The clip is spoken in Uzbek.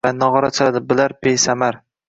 Nog’ora chaladi. Bilar besamar